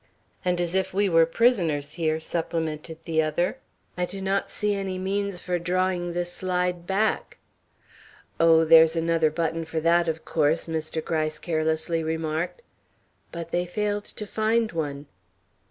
"And as if we were prisoners here," supplemented the other. "I do not see any means for drawing this slide back." "Oh, there's another button for that, of course," Mr. Gryce carelessly remarked. But they failed to find one.